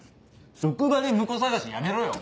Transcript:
職場で婿探しやめろよ。